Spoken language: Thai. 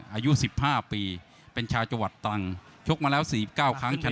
อายุ๑๕ปีเป็นชาวจังหวัดตรังชกมาแล้ว๔๙ครั้งชนะ